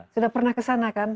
sudah pernah kesana kan